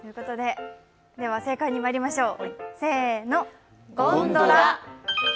では正解にまいりましょう。